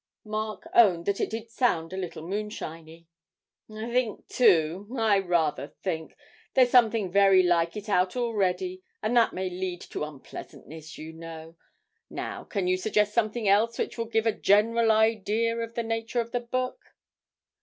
Mark owned that it did sound a little moonshiny. 'I think, too, I rather think, there's something very like it out already, and that may lead to unpleasantness, you know. Now, can you suggest something else which will give a general idea of the nature of the book?'